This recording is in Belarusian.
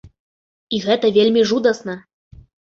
І гэта вельмі жудасна.